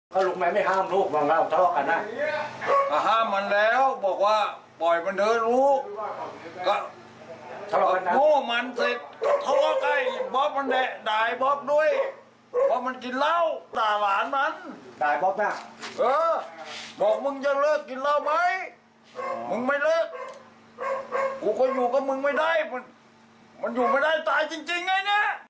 กูก็อยู่กับมึงไม่ได้มันอยู่ไม่ได้ตายจริงไงเนี่ย